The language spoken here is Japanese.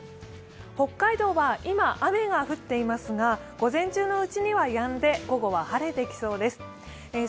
北海道は今雨が降っていますが、午前中のうちにはやんで午後は晴れてきそうです。